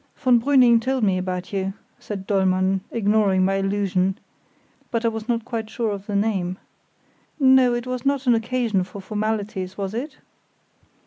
"Von Brüning told me about you," said Dollmann, ignoring my allusion, "but I was not quite sure of the name. No; it was not an occasion for formalities, was it?"